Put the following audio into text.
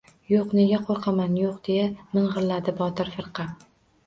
— Yo‘q, nega qo‘rqaman, yo‘q... — deya ming‘illadi Botir firqa.